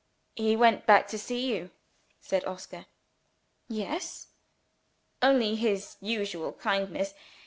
"He went back to see you," said Oscar. "Why?" "Only his usual kindness.